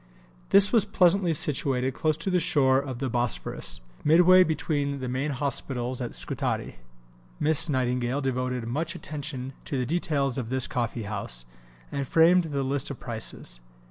This was pleasantly situated close to the shore of the Bosphorus, midway between the main hospitals at Scutari. Miss Nightingale devoted much attention to the details of this coffee house, and framed the list of prices.